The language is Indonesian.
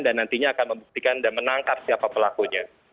dan nantinya akan membuktikan dan menangkap siapa pelakunya